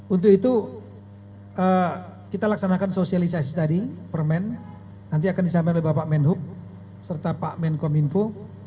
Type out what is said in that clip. untuk itu kita laksanakan sosialisasi tadi permen nanti akan disampaikan oleh bapak menhub serta pak menkom info